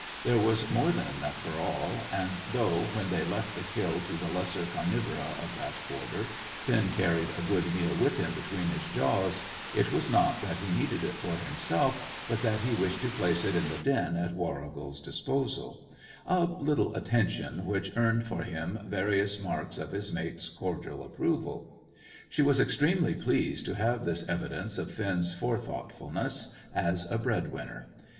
There was more than enough for all, and though, when they left the kill to the lesser carnivora of that quarter, Finn carried a good meal with him between his jaws, it was not that he needed it for himself, but that he wished to place it in the den at Warrigal's disposal; a little attention which earned for him various marks of his mate's cordial approval. She was extremely pleased to have this evidence of Finn's forethoughtfulness as a bread winner.